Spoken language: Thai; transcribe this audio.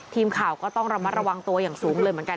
ทีมข่าวก็ต้องระมัดระวังตัวอย่างสูงเลยเหมือนกัน